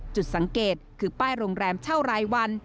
จุดสังเกตคือป้ายโรงแรมเช่ารายวัน